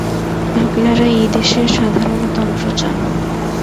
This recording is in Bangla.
আপনারা এই দেশে সাধারণতন্ত্র চান।